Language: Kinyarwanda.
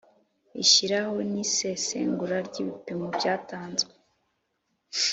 ishyiraho n’ isesengura ry’ ibipimo byatanzwe